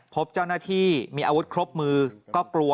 พบเจ้าหน้าที่มีอาวุธครบมือก็กลัว